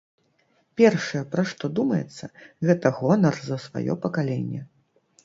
Першае, пра што думаецца, гэта гонар за сваё пакаленне.